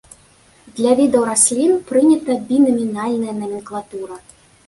Для відаў раслін прынята бінамінальная наменклатура.